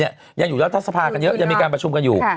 ยังอยู่รัฐสภากันเยอะยังมีการประชุมกันอยู่